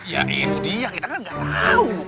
ya itu dia kita kan gak tau